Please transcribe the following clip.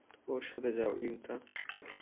ওর সাথে যাও, ইউতা।